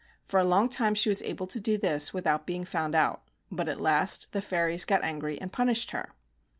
For a long time she was able to do this without being found out. But at last the fairies got angry and punished her.